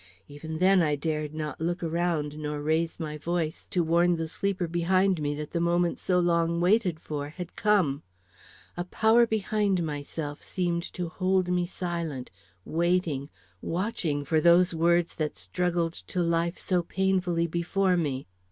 Even then I dared not look around nor raise my voice to warn the sleeper behind me that the moment so long waited for had come. A power behind myself seemed to hold me silent, waiting, watching for those words that struggled to life so painfully before me.